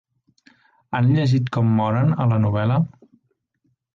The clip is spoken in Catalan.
Han llegit com moren, a la novel·la?